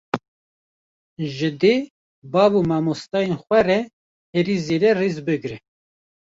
Ji dê, bav û mamosteyên xwe re herî zêde rêz bigre